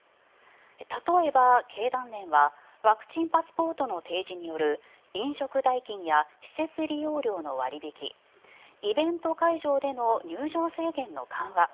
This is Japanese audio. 例えば、経団連はワクチンパスポートの提示による飲食代金や施設利用料の割引イベント会場での入場制限の緩和